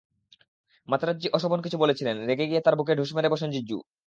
মাতেরাজ্জি অশোভন কিছু বলেছিলেন, রেগে গিয়ে তাঁর বুকে ঢুঁস মেরে বসলেন জিজু।